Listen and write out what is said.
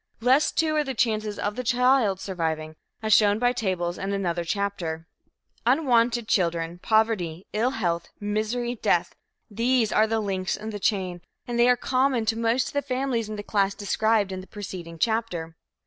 Less too are the chances of the child's surviving, as shown by tables in another chapter. Unwanted children, poverty, ill health, misery, death these are the links in the chain, and they are common to most of the families in the class described in the preceding chapter.